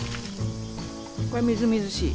これみずみずしい。